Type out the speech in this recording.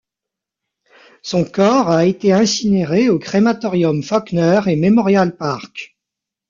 Son corps a été incinéré au crématorium Fawkner et Memorial Park.